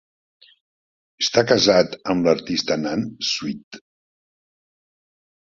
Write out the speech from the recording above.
Està casat amb l'artista Nan Swid.